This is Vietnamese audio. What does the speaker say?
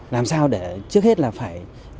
làm sao để trước hết là phải